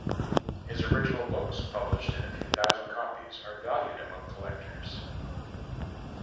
His original books, published in a few thousand copies, are valued among collectors.